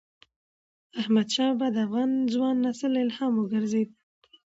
احمدشاه بابا د افغان ځوان نسل الهام وګرځيد.